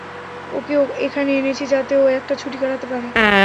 ওকে এখানে এনেছি যাতে ও একটা ছুটি কাটাতে পারে!